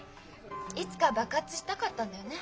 いつか爆発したかったんだよね。